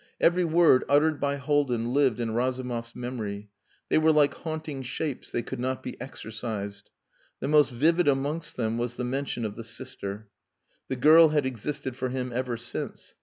Every word uttered by Haldin lived in Razumov's memory. They were like haunting shapes; they could not be exorcised. The most vivid amongst them was the mention of the sister. The girl had existed for him ever since.